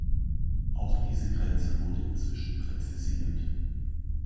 Auch diese Grenze wurde inzwischen präzisiert.